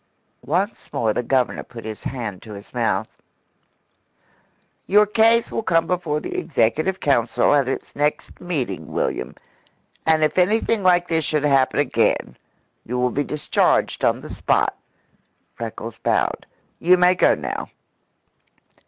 Once more the Governor put his hand to his mouth. "Your case will come before the executive council at its next meeting, William. And if anything like this should happen again, you will be discharged on the spot." Freckles bowed. "You may go now."